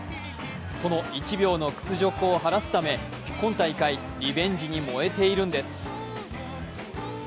その１秒の屈辱を晴らすため今大会リベンジに燃えているんです。